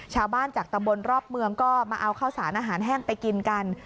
ชาวบ้านจากตำบลรอบเมืองก็มาเอาข้าวสารอาหารแห้งไปกินกัน